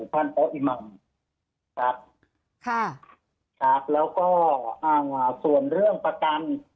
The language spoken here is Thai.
พ่ออิมัมครับค่ะครับแล้วก็อ่าส่วนเรื่องประกัน